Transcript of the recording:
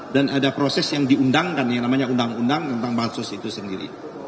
dan ada proses yang diundangkan yang namanya undang undang tentang bansos itu sendiri